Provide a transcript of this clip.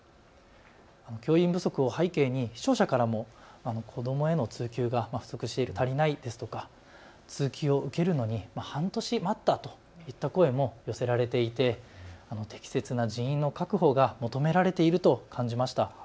教員不足を背景に視聴者からも子どもへの通級が不足して足りないですとか通級を受けるのに半年待ったといった声も寄せられていて適切な人員の確保が求められていると感じました。